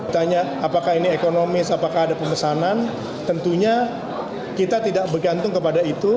tanya apakah ini ekonomis apakah ada pemesanan tentunya kita tidak bergantung kepada itu